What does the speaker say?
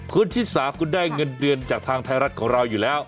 คุณชิสาคุณได้เงินเดือนจากทางไทยรัฐของเราอยู่แล้ว